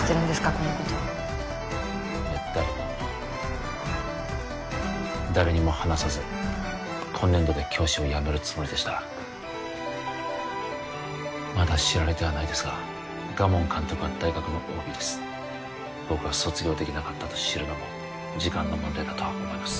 このこといや誰も誰にも話さず今年度で教師を辞めるつもりでしたまだ知られてはないですが賀門監督は大学のＯＢです僕が卒業できなかったと知るのも時間の問題だとは思います